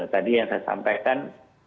tadi yang saya sampaikan